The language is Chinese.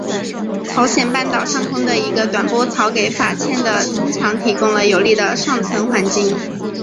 朝鲜半岛上空的一个短波槽给法茜的增强提供了有利的上层环境。